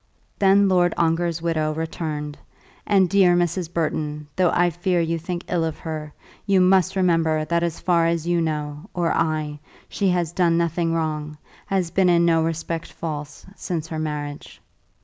Then Lord Ongar's widow returned; and dear Mrs. Burton, though I fear you think ill of her, you must remember that as far as you know, or I, she has done nothing wrong, has been in no respect false, since her marriage.